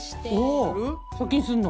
借金するの？